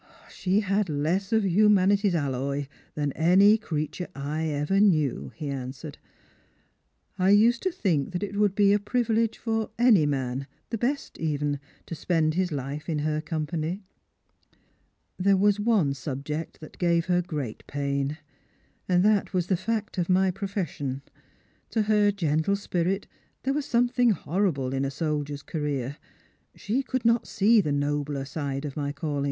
" She had less of humanity's alloy than any creature I ever knew," he answered. " I used to think that it would be a privilege for any man — the best evcci —to spend his life in her company. There was one subio".^. I'liat gave her great pain, anii that was the fact of my pro^oigica. To her gentle spirit there was something horrible in j .jOidier's career. She could not ace the nobler side of my calli..